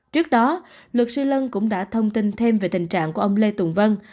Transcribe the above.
trước đó luật sư lân cũng đã thông tin thêm về tình trạng của ông lê tùng vân